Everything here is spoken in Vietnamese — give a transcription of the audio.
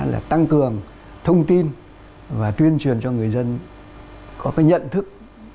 là tăng cường thông tin và tuyên truyền cho người dân có cái nhận thức